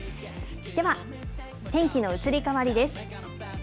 では天気の移り変わりです。